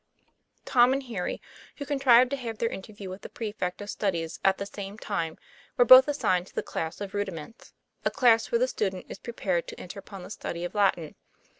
Tom and Harry, who contrived to have their inter view with the prefect of studies at the same time, were both assigned to the class of Rudiments a class where the student is prepared to enter upon the study of Latin.